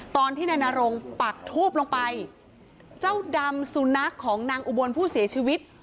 ตอนที่นายนรงปักทูบลงไปเจ้าดำสุนัขของนางอุบลผู้เสียชีวิต